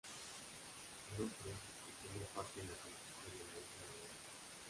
Onofre M., que tomó parte en la conquista de la isla de Mallorca.